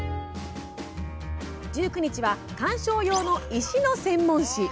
１９日は、観賞用の石の専門誌。